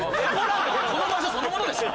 この場所そのものでしょ！